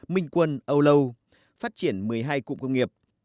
minh quân âu lâu phát triển một mươi hai cụm công nghiệp